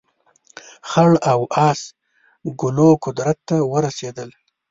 خړ او اس ګلو قدرت ته ورسېدل.